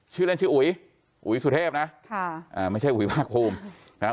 ชื่อเล่นชื่ออุ๋ยอุ๋ยสุเทพนะค่ะอ่าไม่ใช่อุ๋ยภาคภูมินะครับ